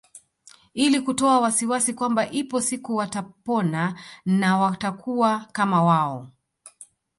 Ili kutoa wasiwasi kwamba ipo siku watapona na watakuwa kama wao